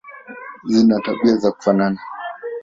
Zina tabia za kufanana.